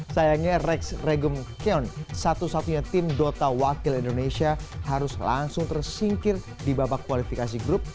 sayangnya rex regum keon satu satunya tim dota wakil indonesia harus langsung tersingkir di babak kualifikasi grup